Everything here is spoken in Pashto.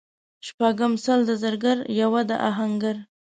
شپږم:سل د زرګر یوه د اهنګر